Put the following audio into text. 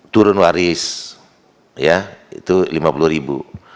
turun waris ya itu rp lima puluh